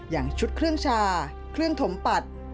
อย่างชุดเครื่องชาเครื่องถมปัด